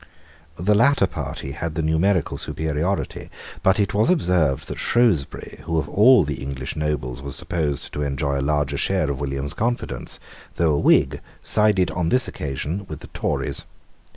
The latter party had the numerical superiority: but it was observed that Shrewsbury, who of all the English nobles was supposed to enjoy the largest share of William's confidence, though a Whig, sided on this occasion with the Tories.